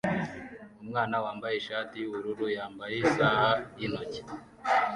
Umwana wambaye ishati yubururu yambaye isaha yintoki